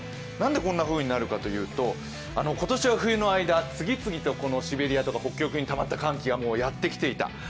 なんでこんなふうになるかというと今年は冬の間、次々とシベリアとか北極にたまった寒気がやってきていた。